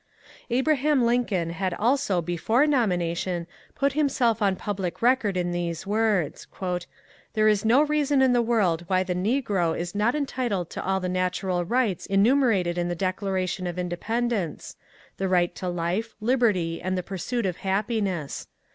Abraham Lincoln had also before nomination put himself on public record in these words :^^ There is no reason in the world why the negro is not entitled to all the natural rights enumerated in the Declaration of Independence, — the right to life, liberty, and the pursuit of happiness.